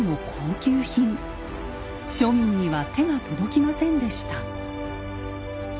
庶民には手が届きませんでした。